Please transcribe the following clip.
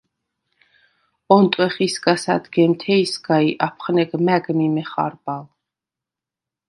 ონტვეხ ისგა სადგემთეჲსგა ი აფხნეგ მა̈გ მი მეხარბალ.